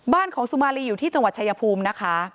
บ้านของสุมารีอยู่ที่จังหวัดชายภูมินะคะ